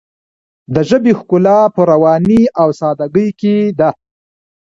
د ژبې ښکلا په روانۍ او ساده ګۍ کې ده.